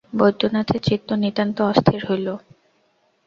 বৈদ্যনাথের চিত্ত নিতান্ত অস্থির হইল।